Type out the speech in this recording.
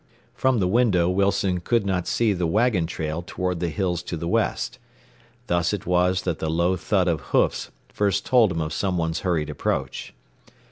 From the window Wilson could not see the wagon trail toward the hills to the west. Thus was it that the low thud of hoofs first told him of someone's hurried approach.